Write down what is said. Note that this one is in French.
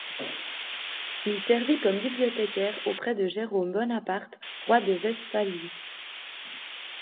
Il servit comme bibliothécaire auprès de Jérôme Bonaparte, roi de Westphalie.